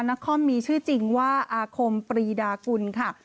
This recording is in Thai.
นครมีชื่อจริงว่าอาคมปรีดากุลค่ะ